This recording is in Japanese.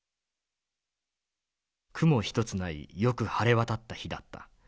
「雲一つないよく晴れ渡った日だった。